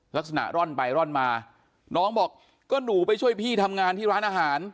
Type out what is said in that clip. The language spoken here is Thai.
ลักษณะร่อนไปร่อนมาน้องบอกก็หนูไปช่วยพี่ทำงานที่ร้านอาหาร